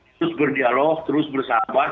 terus berdialog terus bersabar